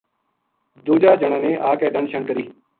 دوجا جنا نے آ کے ڈنڈ شن کری